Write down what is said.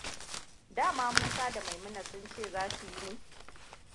Dama Musa da Maimuna sun ce zasu yi ne?